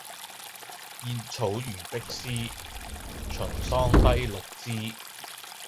燕草如碧絲，秦桑低綠枝